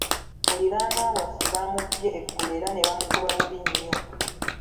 Muliraanwa waffe baamubbye eggulo era ne bamukuba bubi nnyo.